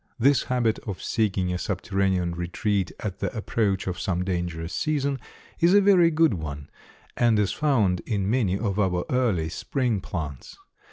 This habit of seeking a subterranean retreat at the approach of some dangerous season is a very good one, and is found in many of our early spring plants.